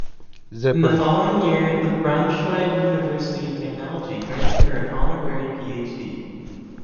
In the following year, the Braunschweig University of Technology granted her an honorary PhD.